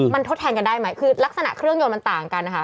มันทดแทนกันได้ไหมคือลักษณะเครื่องยนต์มันต่างกันนะคะ